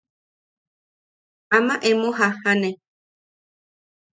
Ama emo jajjane.